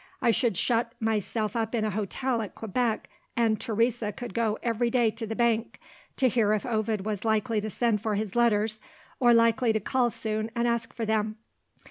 I should shut myself up in an hotel at Quebec; and Teresa could go every day to the bank, to hear if Ovid was likely to send for his letters, or likely to call soon and ask for them.